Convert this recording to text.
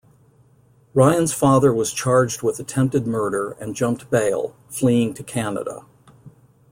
Ryan's father was charged with attempted murder and jumped bail, fleeing to Canada.